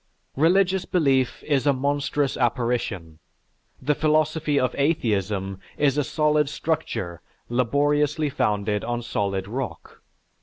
Religious belief is a monstrous apparition; the philosophy of atheism is a solid structure laboriously founded on solid rock.